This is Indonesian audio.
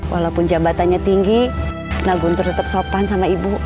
walaupun jabatannya tinggi naguntur tetap sopan sama ibu